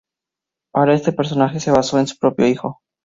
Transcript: Para este personaje se basó en su propio hijo.